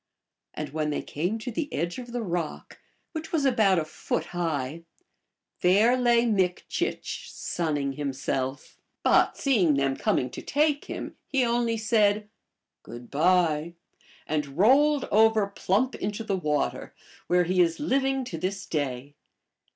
And when they came to the edge of the rock, which was about a foot high, there lay Mik chich sunning himself ; but seeing them coming to take him, he only said, " Good by," and rolled over plump into the water, where he is living to this day.